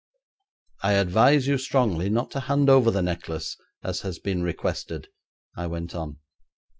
'I advise you strongly not to hand over the necklace as has been requested,' I went on.